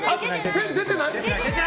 線、出てない？